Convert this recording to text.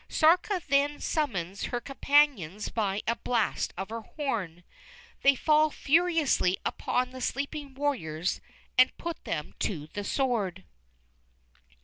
Sárka then summons her companions by a blast of her horn; they fall furiously upon the sleeping warriors and put them to the sword.